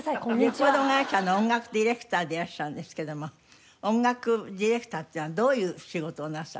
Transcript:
レコード会社の音楽ディレクターでいらっしゃるんですけども音楽ディレクターってのはどういう仕事をなさる？